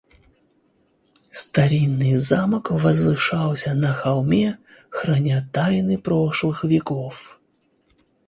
Старинный замок возвышался на холме, храня тайны прошлых веков.